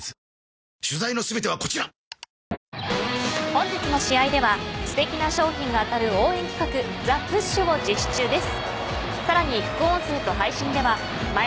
本日の試合ではすてきな賞品が当たる応援企画ＴｈｅＰｕｓｈを実施中です。